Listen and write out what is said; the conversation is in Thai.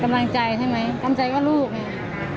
กำลังใจใช่ไหมกำลังใจก็ลูกไง